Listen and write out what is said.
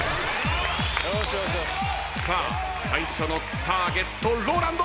さあ最初のターゲットＲＯＬＡＮＤ！